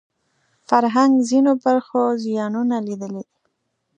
فرهنګ ځینو برخو زیانونه لیدلي دي